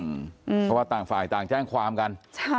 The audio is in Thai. เพราะว่าต่างฝ่ายต่างแจ้งความกัน